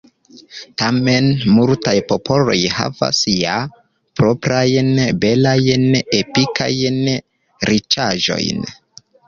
Tamen multaj popoloj havas ja proprajn belajn epikajn riĉaĵojn.